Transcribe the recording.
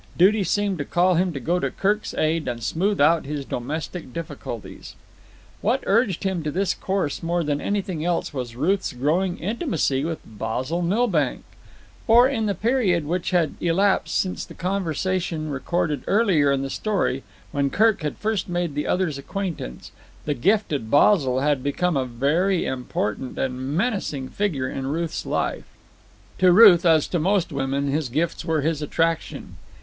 Duty seemed to call him to go to Kirk's aid and smooth out his domestic difficulties. What urged him to this course more than anything else was Ruth's growing intimacy with Basil Milbank; for, in the period which had elapsed since the conversation recorded earlier in the story, when Kirk had first made the other's acquaintance, the gifted Basil had become a very important and menacing figure in Ruth's life. To Ruth, as to most women, his gifts were his attraction.